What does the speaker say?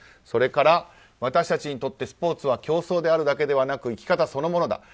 それから、私たちにとってスポーツは競争であるだけでなく生き方そのものだ。